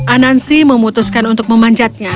anansi memutuskan untuk memanjatnya